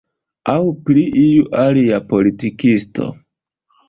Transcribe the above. Aŭ pri iu alia politikisto.